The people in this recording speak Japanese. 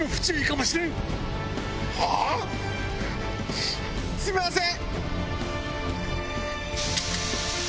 はあ⁉すみません！